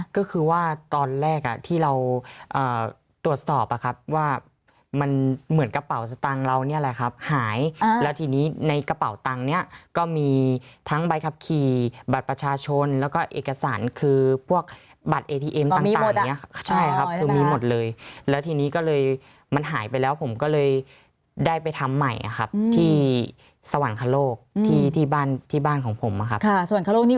ก็คือว่าตอนแรกอ่ะที่เราตรวจสอบอะครับว่ามันเหมือนกระเป๋าสตางค์เราเนี่ยแหละครับหายแล้วทีนี้ในกระเป๋าตังค์เนี่ยก็มีทั้งใบขับขี่บัตรประชาชนแล้วก็เอกสารคือพวกบัตรเอทีเอ็มต่างอย่างนี้ครับใช่ครับคือมีหมดเลยแล้วทีนี้ก็เลยมันหายไปแล้วผมก็เลยได้ไปทำใหม่ครับที่สวรรคโลกที่ที่บ้านที่บ้านของผมนะครับ